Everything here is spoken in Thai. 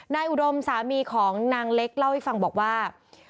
อุดมสามีของนางเล็กเล่าให้ฟังบอกว่า